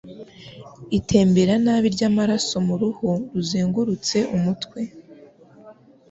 itembera nabi ry'amaraso mu ruhu ruzengurutse umutwe,